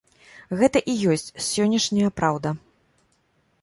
Гэта і ёсць сённяшняя праўда.